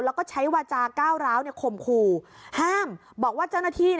แล้วก็ใช้วาจาก้าวร้าวเนี่ยข่มขู่ห้ามบอกว่าเจ้าหน้าที่